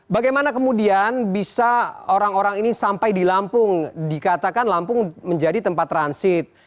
bagaimana kemudian bisa orang orang ini sampai di lampung dikatakan lampung menjadi tempat transit